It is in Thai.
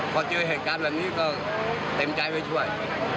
พอเจอเหตุการณ์เต็มใจมาช่วย